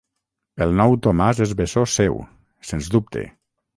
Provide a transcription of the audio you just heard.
El nou Tomàs és bessó seu, sens dubte.